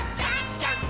ジャンプ！！